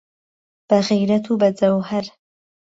به غیرەت و به جهوهەر